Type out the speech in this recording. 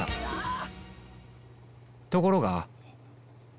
ところが